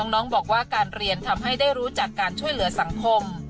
น้องบอกว่าการเรียนทำให้ได้รู้จักการช่วยเหลือสังคม